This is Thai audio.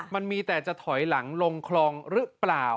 มันมีแต่จะถอยหลังลงคลองหรือเปล่า